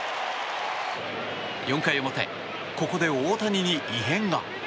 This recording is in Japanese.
４回表、ここで大谷に異変が。